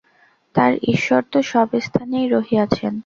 আর ঈশ্বর তো সব স্থানেই রহিয়াছেন।